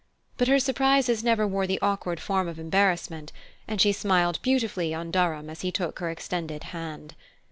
But her surprises never wore the awkward form of embarrassment, and she smiled beautifully on Durham as he took her extended hand.